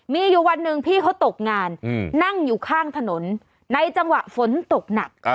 มีอยู่วันหนึ่งพี่เขาตกงานนั่งอยู่ข้างถนนในจังหวะฝนตกหนัก